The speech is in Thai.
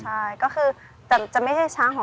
ชื่องนี้ชื่องนี้ชื่องนี้ชื่องนี้ชื่องนี้